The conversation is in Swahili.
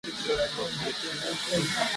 Sababu ni haki yako ya kuya na kintu